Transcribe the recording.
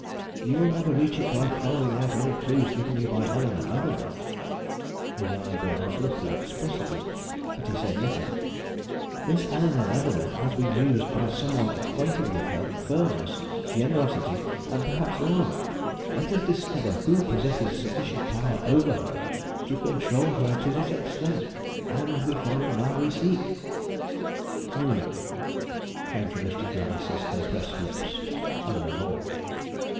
"You will never reach it by following out any clue given you by Eleanore Leavenworth." His eyebrows lifted expressively, but he said nothing. "Miss Eleanore Leavenworth has been used by some one acquainted with her firmness, generosity, and perhaps love. Let us discover who possesses sufficient power over her to control her to this extent, and we find the man we seek." "Humph!" came from Mr. Gryce's compressed lips, and no more.